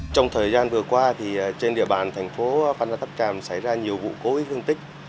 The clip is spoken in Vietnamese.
trong thời gian vừa qua trên địa bàn thành phố phan rang tháp tràm xảy ra nhiều vụ cố ý hương tích